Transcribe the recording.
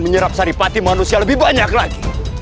menyerap saripati manusia lebih banyak lagi